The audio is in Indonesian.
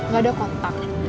gak ada kontak